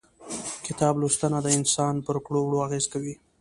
کتاب لوستنه د انسان پر کړو وړو اغيزه کوي.